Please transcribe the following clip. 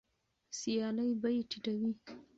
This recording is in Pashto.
سیالي بیې ټیټوي.